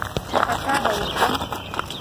چې «خطا به وکړم»